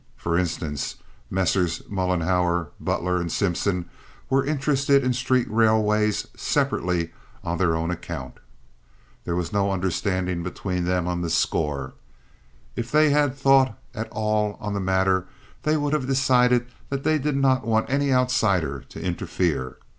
For instance, Messrs. Mollenhauer, Butler, and Simpson were interested in street railways separately on their own account. There was no understanding between them on this score. If they had thought at all on the matter they would have decided that they did not want any outsider to interfere.